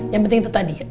yang penting itu tadi